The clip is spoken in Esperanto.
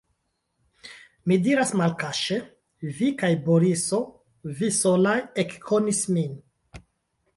Mi diras malkaŝe: vi kaj Boriso, vi solaj ekkonis min.